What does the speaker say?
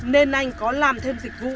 nên anh có làm thêm dịch vụ